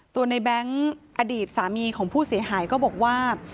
ในแบงค์อดีตสามีของผู้เสียหายก็บอกว่า